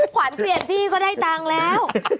ขวัญเปลี่ยนที่ก็ได้ตังค์แล้ว